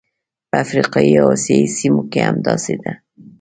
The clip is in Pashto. په افریقایي او اسیايي سیمو کې همداسې ده.